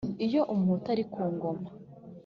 iyo umuhutu ari ku ngoma